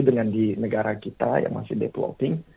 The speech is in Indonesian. dengan di negara kita yang masih developing